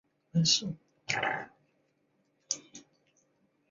友人洪亮吉持其丧以归。